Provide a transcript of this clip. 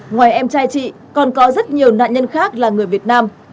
ngoài em trai chị còn có rất nhiều nạn nhân khác là người việt nam